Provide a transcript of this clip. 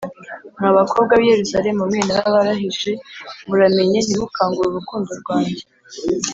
Mwa bakobwa b i Yerusalemu mwe narabarahije muramenye ntimukangure urukundo rwanjye